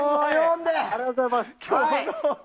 ありがとうございます。